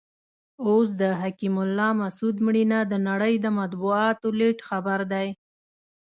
اوس د حکیم الله مسود مړینه د نړۍ د مطبوعاتو لیډ خبر دی.